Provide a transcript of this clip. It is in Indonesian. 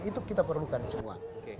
itu kita perlukan semua